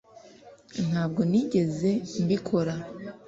ntabwo nigeze mbikora